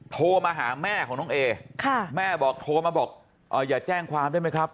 โทรมาหาแม่ของน้องเอแม่บอกโทรมาบอกอย่าแจ้งความได้ไหมครับ